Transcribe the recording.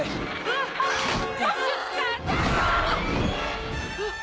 あっ！